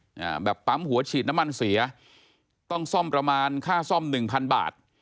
อ่าแบบปั๊มหัวฉีดน้ำมันเสียต้องซ่อมประมาณค่าซ่อมหนึ่งพันบาท